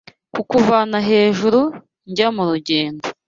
kukuvana hejuru Jya mu rugendo